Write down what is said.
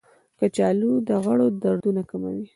کچالو د غړو دردونه کموي.